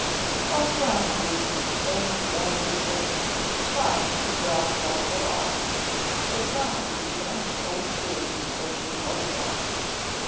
"Oh, Phronsie," exclaimed Ben, with a grimace, trying to draw Jocko off. But Phronsie was not quite through, so she held fast.